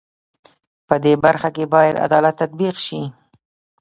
په دې برخه کې بايد عدالت تطبيق شي.